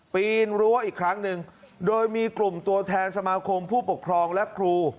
ปีนรั้วอีกครั้งหนึ่งโดยมีกลุ่มตัวแทนสมาคมผู้ปกครองและครู